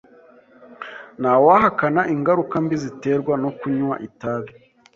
Ntawahakana ingaruka mbi ziterwa no kunywa itabi.